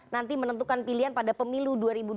nanti menentukan pilihan pada pemilu dua ribu dua puluh